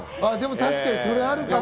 確かに、それあるかも。